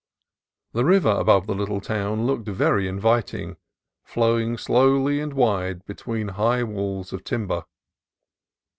The river above the little town looked very inviting, flowing slow and wide between high walls of timber.